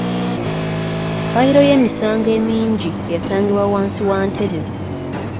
Ffayiro y'emisango emingi yasangibwa wansi wa ntebe.